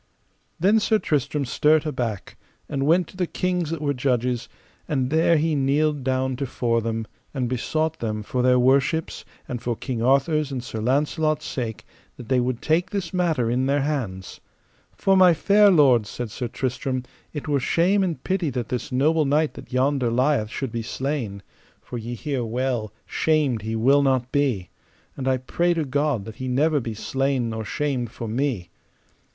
Then Sir Tristram stert aback, and went to the kings that were judges, and there he kneeled down to fore them, and besought them for their worships, and for King Arthur's and Sir Launcelot's sake, that they would take this matter in their hands. For, my fair lords, said Sir Tristram, it were shame and pity that this noble knight that yonder lieth should be slain; for ye hear well, shamed will he not be, and I pray to God that he never be slain nor shamed for me.